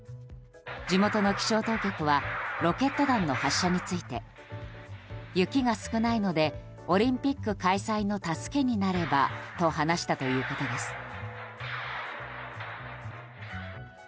地元の気象当局はロケット弾の発射について雪が少ないのでオリンピック開催の助けになればと話したということです。